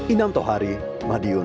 inam tohari madiun